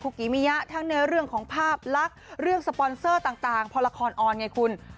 กิมิยะทั้งในเรื่องของภาพลักษณ์เรื่องสปอนเซอร์ต่างพอละครออนไงคุณ